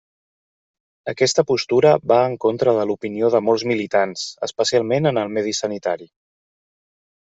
Aquesta postura va en contra de l'opinió de molts militants, especialment en el medi sanitari.